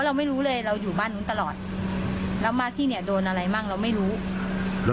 แต่มันเหมือนอยู่แต่ก็ต้องรอผลใช่ไหมเราตกหลุบไม่ได้